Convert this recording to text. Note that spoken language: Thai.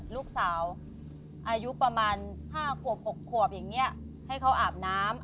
ลูกสาวอายุประมาณ๕๖ขวบให้เขาอาบน้ำ